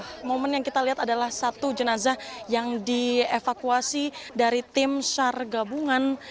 nah momen yang kita lihat adalah satu jenazah yang dievakuasi dari tim sar gabungan